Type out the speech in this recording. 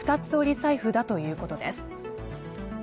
財布だということです。